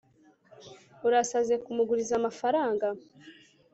urasaze kumuguriza amafaranga